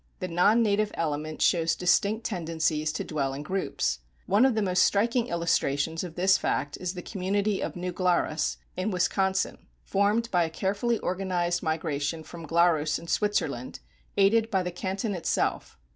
The non native element shows distinct tendencies to dwell in groups. One of the most striking illustrations of this fact is the community of New Glarus, in Wisconsin, formed by a carefully organized migration from Glarus in Switzerland, aided by the canton itself.